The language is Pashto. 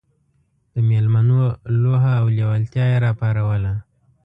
د مېلمنو لوهه او لېوالتیا یې راپاروله.